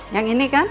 yang ini kan